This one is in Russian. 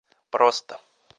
просто